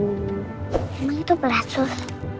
emang itu berat sus